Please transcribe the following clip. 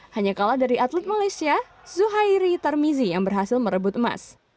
hanya kalah dari atlet malaysia zuhairi tarmizi yang berhasil merebut emas